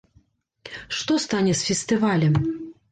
Што стане з фестывалем?